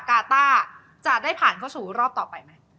กาต้าจะได้ผ่านเข้าสู่รอบต่อไปไหม